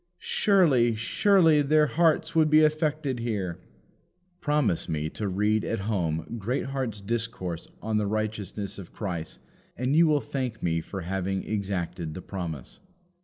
Surely, surely their hearts would be affected here!" Promise me to read at home Greatheart's discourse on the Righteousness of Christ, and you will thank me for having exacted the promise.